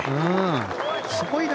すごいな。